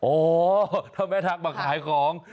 โอ้ถ้าแม่ทักมาขายของ